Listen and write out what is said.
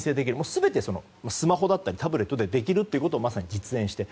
全てスマホだったりタブレットでできるということをまさに実演して。